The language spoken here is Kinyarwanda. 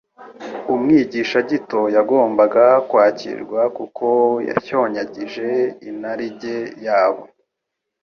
Umwigisha gito yagombaga kwakirwa kuko yashyonyagije inarijye yabo,